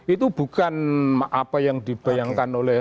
itu bukan apa yang dibayangkan oleh